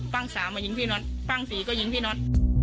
ั้งสามมายิงพี่น็อตปั้งสี่ก็ยิงพี่น็อต